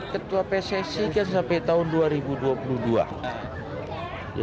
ketua pssi kan sampai tahun dua ribu dua puluh dua